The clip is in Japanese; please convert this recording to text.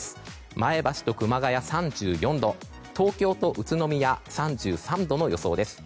前橋と熊谷３４度東京と宇都宮３３度の予想です。